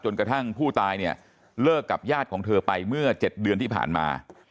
กระทั่งผู้ตายเนี่ยเลิกกับญาติของเธอไปเมื่อ๗เดือนที่ผ่านมา